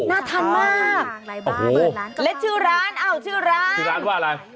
น่าทันมากและชื่อร้านชื่อร้านว่าอะไร